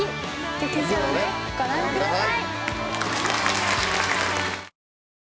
劇場でご覧ください。